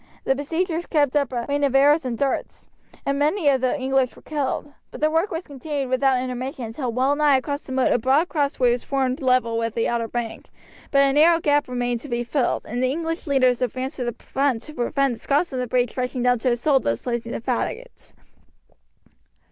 The besiegers kept up a rain of arrows and darts, and many of the English were killed. But the work was continued without intermission until well nigh across the moat a broad crossway was formed level with the outer bank, but a narrow gap remained to be filled, and the English leaders advanced to the front to prevent the Scots on the breach rushing down to assault those placing the faggots.